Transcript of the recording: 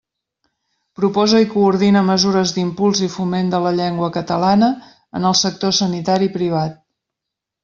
Proposa i coordina mesures d'impuls i foment de la llengua catalana en el sector sanitari privat.